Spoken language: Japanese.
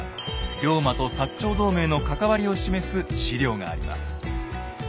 龍馬と長同盟の関わりを示す史料があります。